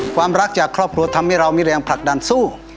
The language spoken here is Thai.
ความรักจากครอบครัวทำให้เรามีแรงผลักดันสู้